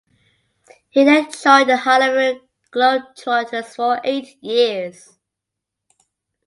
He then joined the Harlem Globetrotters for eight years.